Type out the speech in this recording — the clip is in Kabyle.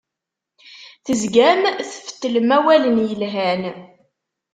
Tezgam tfettlem awalen yelhan.